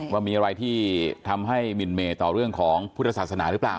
ว่ามีอะไรที่ทำให้มินเมต่อเรื่องของพุทธศาสนาหรือเปล่า